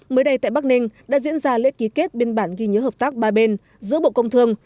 mới đây tại bắc ninh đã diễn ra lễ ký kết biên bản ghi nhớ hợp tác ba bên giữa bộ công thương